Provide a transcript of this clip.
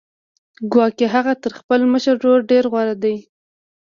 ګواکې هغه تر خپل مشر ورور ډېر غوره دی